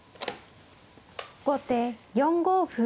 後手４五歩。